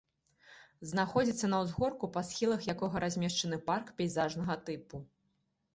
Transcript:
Знаходзіцца на ўзгорку, па схілах якога размешчаны парк пейзажнага тыпу.